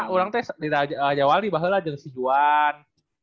orang itu di raja wali bahkan aja di si juan